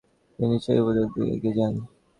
তিনি সিনাই উপদ্বীপের মধ্য দিয়ে এগিয়ে যান।